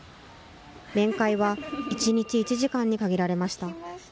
面会は１日１時間に限られました。